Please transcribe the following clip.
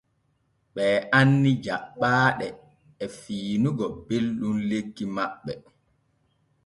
Ɓe anni jaɓɓaaɗe e fiinugo belɗum lekki maɓɓe.